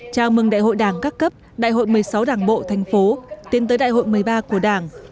chào mừng đại hội đảng các cấp đại hội một mươi sáu đảng bộ thành phố tiến tới đại hội một mươi ba của đảng